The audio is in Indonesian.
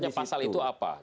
maksudnya pasal itu apa